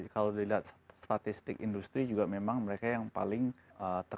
kalau dilihat statistik industri juga memang mereka yang paling terkenal